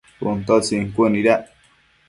Cun ta utsin cuënuidac